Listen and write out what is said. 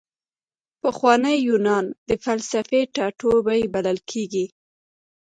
پخوانی یونان د فلسفې ټاټوبی بلل کیږي.